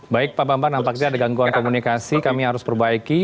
baik pak bambang nampaknya ada gangguan komunikasi kami harus perbaiki